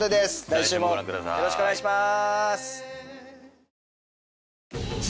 来週もよろしくお願いしまーす！